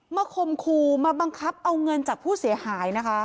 คมคู่มาบังคับเอาเงินจากผู้เสียหายนะคะ